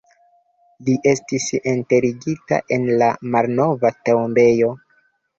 Li estis enterigita en la malnova tombejo.